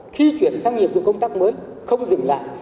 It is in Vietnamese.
khi chuyển sang nhiệm vụ công tác mới không dừng lại